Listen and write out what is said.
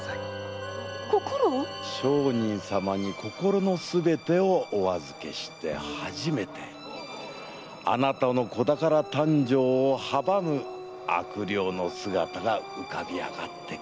上人様に心のすべてをお預けしてはじめてあなたの子宝誕生を阻む悪霊の姿が浮かび上がってくるのです。